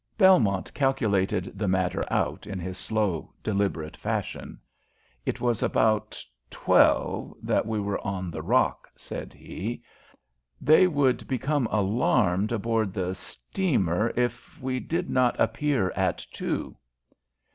Belmont calculated the matter out in his slow, deliberate fashion. "It was about twelve that we were on the rock," said he. "They would become alarmed aboard the steamer if we did not appear at two."